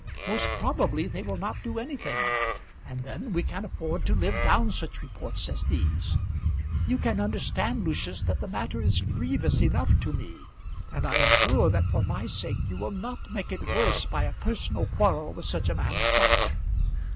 Most probably they will not do anything, and then we can afford to live down such reports as these. You can understand, Lucius, that the matter is grievous enough to me; and I am sure that for my sake you will not make it worse by a personal quarrel with such a man as that."